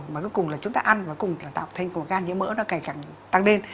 mà cuối cùng là chúng ta ăn và cùng tạo thành gan nhiễm mỡ nó càng càng tăng lên